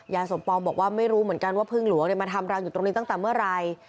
สมปองบอกว่าไม่รู้เหมือนกันว่าพึ่งหลวงมาทำรังอยู่ตรงนี้ตั้งแต่เมื่อไหร่